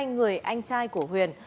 hai người anh trai của huyền